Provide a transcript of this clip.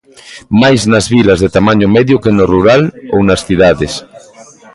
Máis nas vilas de tamaño medio que no rural ou nas cidades.